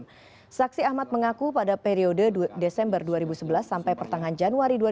iwan menerima uang tiga lima juta dolar dari direktur biomorph loan johannes marlim